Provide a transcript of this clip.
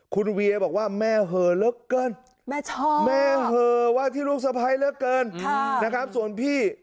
คุณเวียบอกว่าแม่เหลือเกินแม่เหลือว่าที่ลูกสะพ้ายเกินนะครับส่วนพี่